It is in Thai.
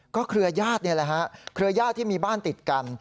เครือญาตินี่แหละฮะเครือญาติที่มีบ้านติดกัน